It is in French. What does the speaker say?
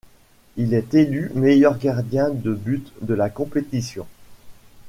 Il est élu meilleur gardien de but de la compétition.